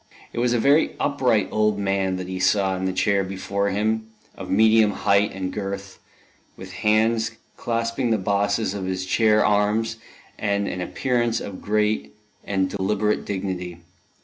It was a very upright old man that he saw in the chair before him, of medium height and girth, with hands clasping the bosses of his chair arms, and an appearance of great and deliberate dignity.